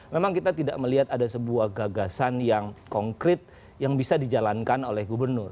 memang kita tidak melihat ada sebuah gagasan yang konkret yang bisa dijalankan oleh gubernur